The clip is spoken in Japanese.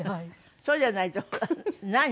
「そうじゃないと」。